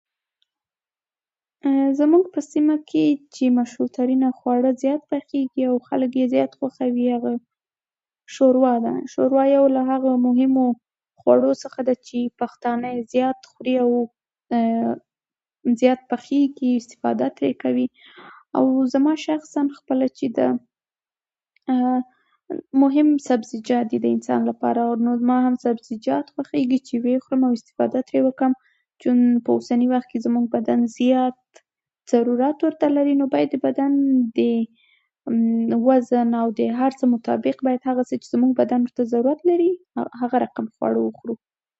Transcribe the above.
زموږ په سيمه کې چې مشهور ترينه خواړه چې ډېر پخېږي او خلک يې ډېر خوښوي، هغه شوروا ده. شوروا يو له هغو مهمو خوړو څخه ده چې پښتانه يې زيات خوري او زياته پخيږي او استفاده ترې کوي. او زما شخصن خپله چې ده مهم سبزيجات د انسان لپاره. نو زما هم سبزيجات خوښېږي چې ويې خورم او استفاده ترې وکوم، چون په اوسني وخت کې زموږ بدن زيات ضرورت ورته لري. نو بايد د بدن د وزن او د هر څه مطابق بايد هغه څه چې زموږ بدن .ورته ضرورت لرې هغه رقم خواړه وخورو